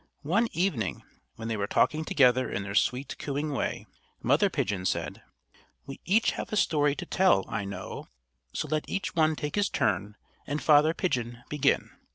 One evening, when they were talking together in their sweet, cooing way, Mother Pigeon said: "We each have a story to tell, I know; so let each one take his turn, and Father Pigeon begin."